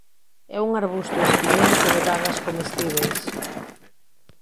É un arbusto espiñento de bagas comestíbeis.